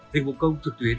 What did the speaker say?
hình vụ công thực tuyến